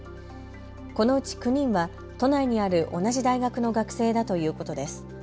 このうち９人は都内にある同じ大学の学生だということです。